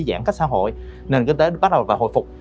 giãn cách xã hội nền kinh tế bắt đầu và hồi phục